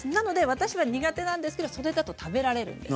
私は苦手なんですけどもそれだと食べられるんです。